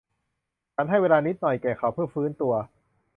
ฉันให้เวลานิดหน่อยแก่เขาเพื่อฟื้นตัว